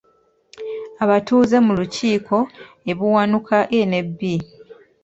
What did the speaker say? Abatuuze mu lukiiko e Buwanuka A ne B.